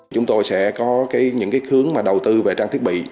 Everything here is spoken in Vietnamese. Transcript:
chúng tôi sẽ có những hướng đầu tư về trang thiết bị